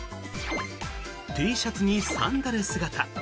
Ｔシャツにサンダル姿。